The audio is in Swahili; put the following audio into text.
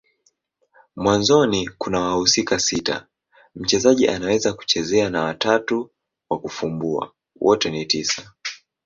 Mwanzoni kuna wahusika sita mchezaji anaweza kuchezea na watatu wa kufumbua. Wote ni tisa.